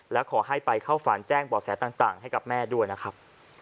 และขอให้ไปเข้าฝันแจ้งบ่อแสต่างให้กับแม่ด้วยนะครับ